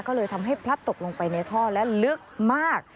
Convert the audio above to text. ก็เลยทำให้พลัดตกลงไปในท่อและลึกมาก